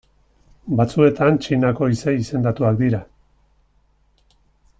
Batzuetan Txinako izei izendatuak dira.